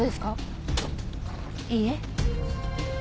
いいえ。